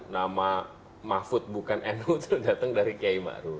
nama mahfud bukan nu itu datang dari kiai ma'ruf